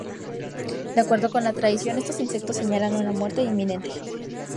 De acuerdo con la tradición, estos insectos señalan una muerte inminente.